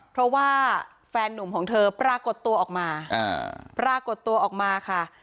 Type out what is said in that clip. เพราะว่าแฟนนุ่มของเธอปรากฏตัวออกมาปรากฏตัวออกมาค่ะ